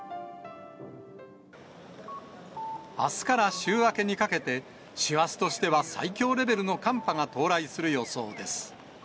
あすから週明けにかけて、師走としては最強レベルの寒波が到来する予想です。